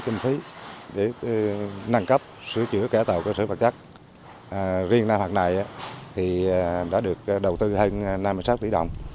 kinh phí để nâng cấp sửa chữa cải tạo cơ sở vật chất riêng năm học này thì đã được đầu tư hơn năm mươi sáu tỷ đồng